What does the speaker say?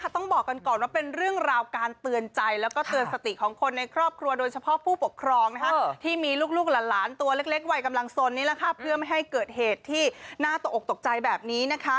ต้องบอกกันก่อนว่าเป็นเรื่องราวการเตือนใจแล้วก็เตือนสติของคนในครอบครัวโดยเฉพาะผู้ปกครองที่มีลูกหลานตัวเล็กวัยกำลังสนเพื่อไม่ให้เกิดเหตุที่น่าตกออกตกใจแบบนี้